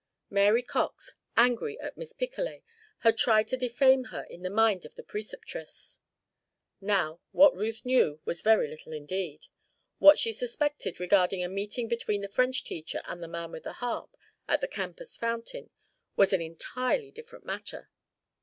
Mary Cox, angry at Miss Picolet, had tried to defame her in the mind of the Preceptress. Now, what Ruth knew was very little indeed. What she suspected regarding a meeting between the French teacher and the man with the harp, at the campus fountain, was an entirely different matter.